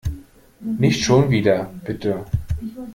Nicht schon wieder, bitte.